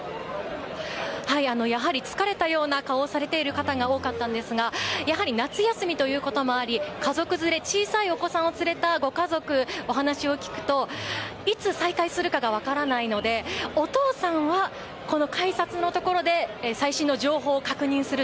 やはり疲れたような顔をされている方が多かったんですがやはり夏休みということもあり家族連れで小さいお子さんを連れたご家族にお話を聞くといつ再開するか分からないのでお父さんは改札のところで最新の情報を確認する。